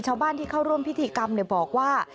ชาวบ้านที่เข้าร่วมพิธีกรรมบอกว่า